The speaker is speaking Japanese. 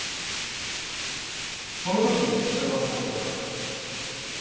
その時北川さんに出会った。